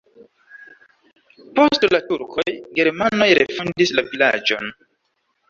Post la turkoj germanoj refondis la vilaĝon.